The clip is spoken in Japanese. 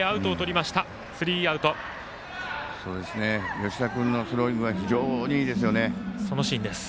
吉田君のスローイングが非常にいいですよね。